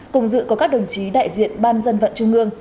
cùng dự có các đồng chí đại diện ban dân vận trung ương